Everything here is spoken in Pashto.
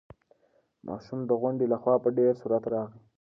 ماشوم د غونډۍ له خوا په ډېر سرعت راغی.